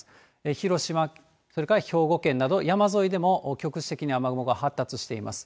広島、それから兵庫県など、山沿いでも局地的に雨雲が発達しています。